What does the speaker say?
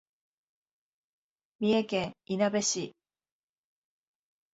三重県いなべ市